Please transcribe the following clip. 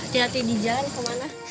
hati hati di jalan kemana